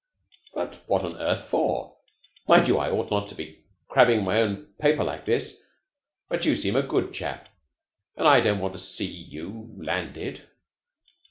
"But what on earth for? Mind you, I ought not to be crabbing my own paper like this, but you seem a good chap, and I don't want to see you landed.